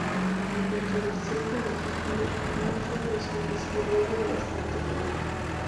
En contradicción con el título, "Mucho" es un disco breve y bastante parejo.